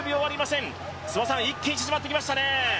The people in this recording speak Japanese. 一気に縮まってきましたね。